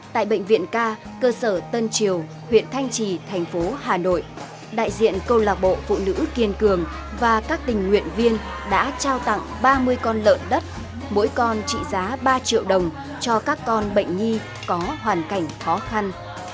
tại bệnh viện ca cơ sở tân triều huyện thanh trì thành phố hà nội đại diện công lạc bộ phụ nữ kiên cường và các tình nguyện viên đã trao tặng ba mươi con lợn đất mỗi con trị giá ba triệu đồng cho các con bệnh nhi có hoàn cảnh khó khăn